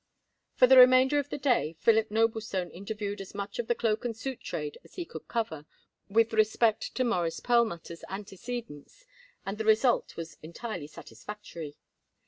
For the remainder of the day, Philip Noblestone interviewed as much of the cloak and suit trade as he could cover, with respect to Morris Perlmutter's antecedents, and the result was entirely satisfactory.